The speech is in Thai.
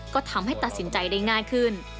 ก็ทำให้ตัดสินใจได้ง่ายขึ้น